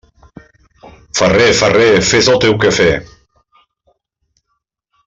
Ferrer, ferrer, fes el teu quefer.